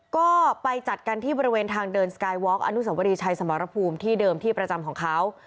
ก็ไปจัดกันที่บริเวณทางเดินสกายวอล์อนุสวรีชัยสมรภูมิที่เดิมที่ประจำของเขา